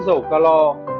dầu ca lo